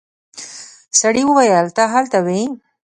سړي وويل ته هلته وې.